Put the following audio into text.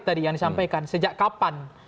tadi yang disampaikan sejak kapan